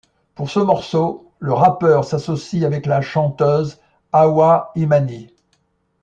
Pour ce morceau, le rappeur s'associe avec la chanteuse Awa Imani.